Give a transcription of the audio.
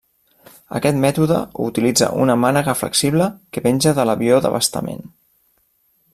Aquest mètode utilitza una mànega flexible que penja de l'avió d'abastament.